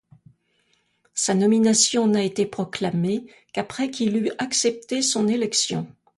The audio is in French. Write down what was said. Sa nomination n'a été proclamée qu'après qu'il eut accepté son élection.